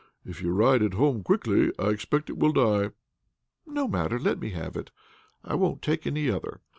If you ride it home quickly, I expect it will die!" "No matter, let me have it. I won't take any other."